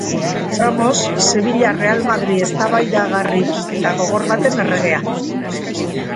Ramos, Sevilla-Real Madril eztabaidagarri eta gogor baten erregea.